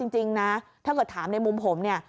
จริงนะถ้าเกิดถามในมุมผมเนี่ย